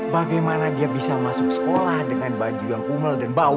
bagaimana dia bisa masuk sekolah dengan baju yang umel dan bau